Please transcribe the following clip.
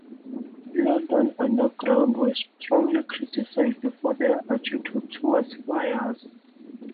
London Underground were strongly criticised for their attitude toward fires.